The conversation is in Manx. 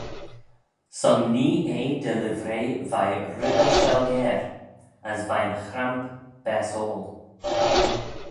Son nee eh dty livrey veih ribbey shelgeyr: as veih'n chramp baasoil.